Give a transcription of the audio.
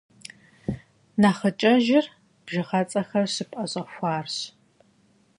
Нэхъыкӏэжыр бжыгъэцӏэхэр щыпӏэщӏэхуарщ.